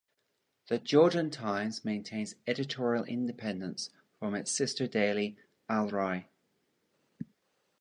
"The Jordan Times" maintains editorial independence from its sister daily "Al Rai".